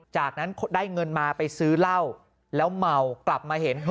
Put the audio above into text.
จากนั้นได้เงินมาไปซื้อเหล้าแล้วเมากลับมาเห็น